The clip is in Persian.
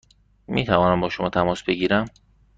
می توانم با شما تماس بگیرم؟